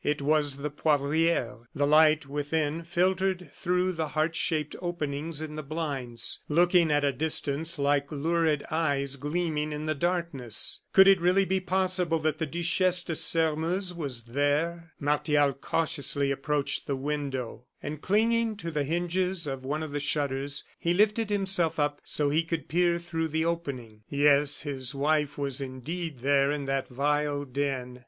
It was the Poivriere. The light within filtered through the heart shaped openings in the blinds, looking at a distance like lurid eyes gleaming in the darkness. Could it really be possible that the Duchesse de Sairmeuse was there! Martial cautiously approached the window, and clinging to the hinges of one of the shutters, he lifted himself up so he could peer through the opening. Yes, his wife was indeed there in that vile den.